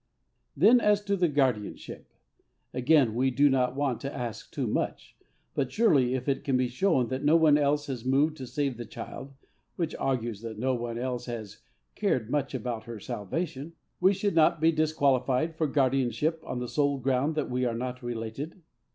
Then as to the guardianship: again we do not want to ask too much, but surely if it can be shown that no one else has moved to save the child (which argues that no one else has cared much about her salvation) we should not be disqualified for guardianship on the sole ground that we are not related?